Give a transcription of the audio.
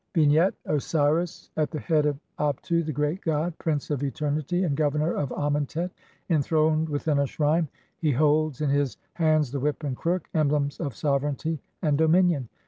] Vignette : "Osiris at the head of Abtu, the great god, Prince of eternity and Governor of Amentet", enthroned within a shrine ; he holds in his hands the whip and crook, emblems of sovereignty and dominion.